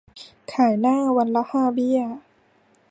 ขายหน้าวันละห้าเบี้ย